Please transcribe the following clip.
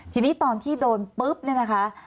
ทีนี้ตอนที่โดนปุ๊บเนี่ยนะคะ